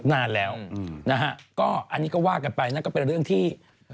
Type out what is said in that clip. นานแล้วนะฮะก็อันนี้ก็ว่ากันไปนั่นก็เป็นเรื่องที่